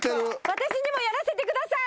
私にもやらせてください！